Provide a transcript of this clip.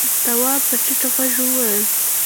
تواب په ټيټ غږ وويل: